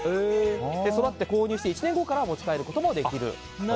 育って購入して１年後から持ち帰ることができると。